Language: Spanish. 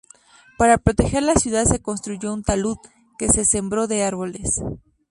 Para proteger la ciudad se construyó un talud, que se sembró de árboles.